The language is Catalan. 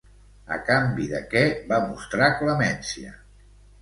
A canvi de què va mostrar clemència?